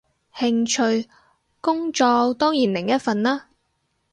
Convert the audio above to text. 興趣，工作當然另一份啦